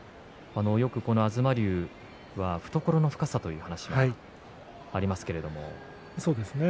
東龍は懐の深さという話もありますけどね。